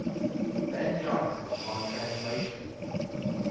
BEN JONSON ON TRANSLATION.